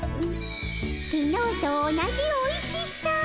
きのうと同じおいしさ。